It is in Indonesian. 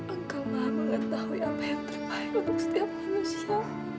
angkang maha banget tau ya apa yang terbaik untuk setiap manusia